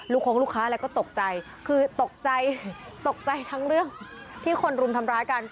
คงลูกค้าอะไรก็ตกใจคือตกใจตกใจทั้งเรื่องที่คนรุมทำร้ายกัน